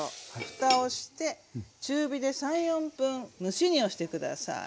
ふたをして中火で３４分蒸し煮をして下さい。